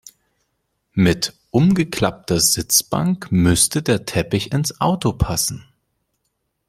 Mit umgeklappter Sitzbank müsste der Teppich ins Auto passen.